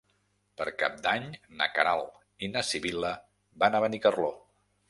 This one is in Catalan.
Per Cap d'Any na Queralt i na Sibil·la van a Benicarló.